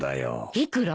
いくら？